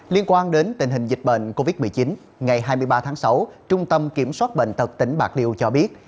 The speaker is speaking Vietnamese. liên quan đến tình hình dịch bệnh covid một mươi chín ngày hai mươi ba tháng sáu trung tâm kiểm soát bệnh tật tỉnh bạc liêu cho biết